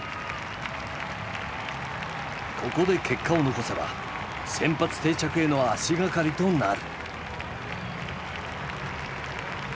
ここで結果を残せば先発定着への足がかりとなる。